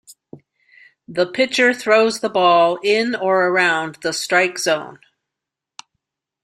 The pitcher throws the ball in or around the "strike zone".